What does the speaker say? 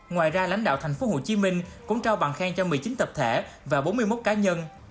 ngoài ra lãnh đạo tp hcm cũng trao bằng khen cho một mươi chín tập thể và bốn mươi một cá nhân